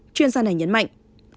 chuyên gia này nhấn mạnh